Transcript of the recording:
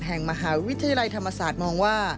แห่งมหาวิทยาลัยธรรมศาสตร์มองว่า